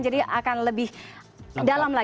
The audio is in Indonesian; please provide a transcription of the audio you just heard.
jadi akan lebih dalam